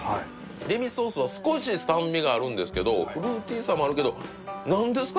デミソースは少し酸味があるんですけどフルーティーさもあるけど何ですか？